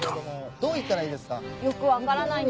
どう行ったらいいですか？